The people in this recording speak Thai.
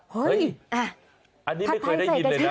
เฮ้ยอันนี้ไม่เคยได้ยินเลยนะ